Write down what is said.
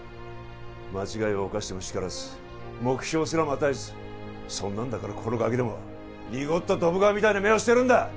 間違いを犯しても叱らず目標すらも与えずそんなんだからここのガキどもは濁ったドブ川みたいな目をしてるんだ！